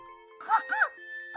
ここ！